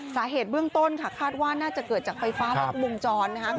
สาเหตุเบื้องต้นค่ะคาดว่าน่าจะเกิดจากไฟฟ้ารัดวงจรนะคะ